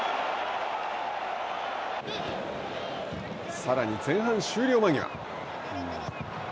さらに前半終了間際。